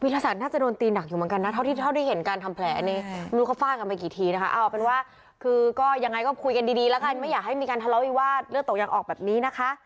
ตั้งแต่หลังเกิดเหตุเพราะว่าเลือดสาดกันขนาดนี้